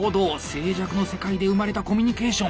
静寂の世界で生まれたコミュニケーション！